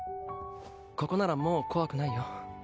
ここならもう怖くないよ。